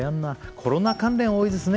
コロナ関連多いですね